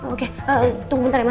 oke tunggu sebentar ya mas